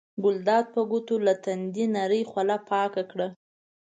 ګلداد په ګوتو له تندي نرۍ خوله پاکه کړه.